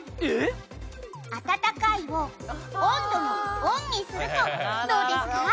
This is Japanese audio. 「“あたたかい”を温度の“温”にするとどうですか？」